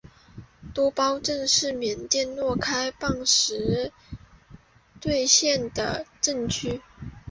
包多镇为缅甸若开邦实兑县的镇区。